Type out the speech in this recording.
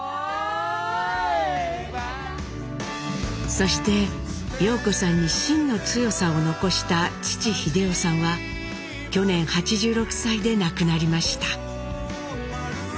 そして陽子さんにしんの強さを残した父英夫さんは去年８６歳で亡くなりました。